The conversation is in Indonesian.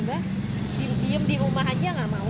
diem di rumah aja enggak mau